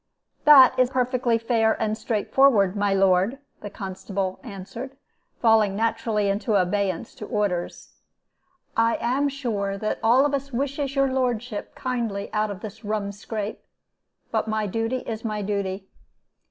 "'That is perfectly fair and straightforward, my lord,' the constable answered, falling naturally into abeyance to orders. 'I am sure that all of us wishes your lordship kindly out of this rum scrape. But my duty is my duty.'